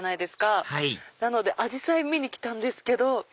はいなのでアジサイ見に来たんですけど。